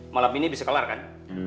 malam ini bisa kelar kan